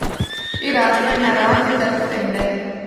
اے رستہ ناران دے طرفو ایندا ہے۔